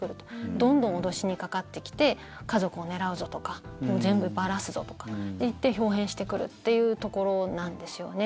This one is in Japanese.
どんどん脅しにかかってきて家族を狙うぞとかもう全部ばらすぞとかって言ってひょう変してくるっていうところなんですよね。